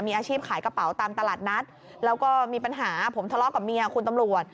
มีอาชีพขายกระเป๋าตามตลาดนัดแล้วก็มีปัญหาผมทะเลาะกับเมียคุณตำรวจ